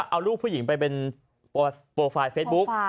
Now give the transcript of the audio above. เอาลูกผู้หญิงไปเป็นโปรไฟล์เฟซบุ๊ก